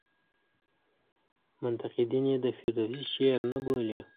منقدین یې د فردوسي شعر نه بولي.